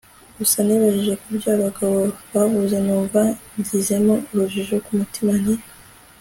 gusa nibajije kubyo abagabo bavuze numva ngizemo urujijo, kumutima nti